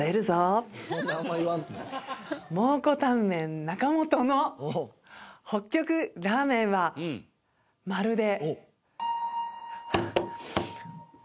蒙古タンメン中本の北極ラーメンはまるで。